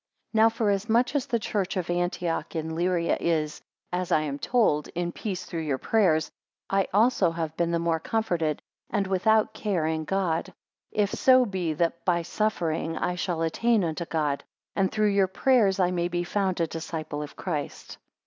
NOW forasmuch as the church of Antioch in Lyria is, as I am told, in peace through your prayers; I also have been the more comforted, and without care in God; if so be that by suffering, I shall attain unto God; and through your prayers I may be found a disciple of Christ.